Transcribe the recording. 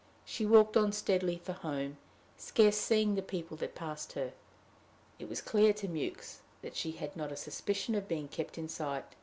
She walked on steadily for home, scarce seeing the people that passed her. It was clear to Mewks that she had not a suspicion of being kept in sight.